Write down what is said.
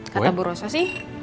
kata bu rosa sih